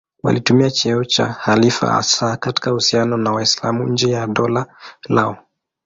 Walitumia cheo cha khalifa hasa katika uhusiano na Waislamu nje ya dola lao.